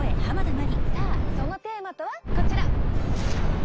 さあそのテーマとはこちら！